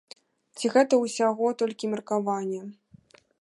Ці гэта ўсяго толькі меркаванне?